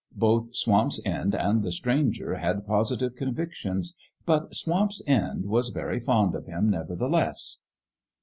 Both Swamp's End and the Stranger had positive convictions. But Swamp's End was very fond of Him, nevertheless.